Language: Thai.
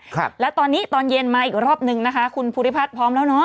ครับแล้วตอนนี้ตอนเย็นมาอีกรอบนึงนะคะคุณภูริพัฒน์พร้อมแล้วเนอะ